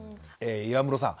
岩室さん